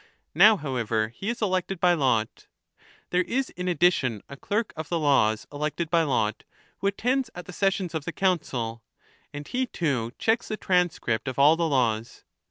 Now, however, he is elected by lot. There is, in addition, a Clerk of the Laws, elected by lot, who attends at the sessions of the Council ; and he too checks the transcript of all the laws.